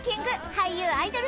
俳優アイドル